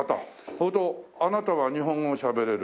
それとあなたは日本語をしゃべれる。